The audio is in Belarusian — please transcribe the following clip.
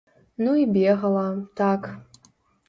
Ну і бегала, так.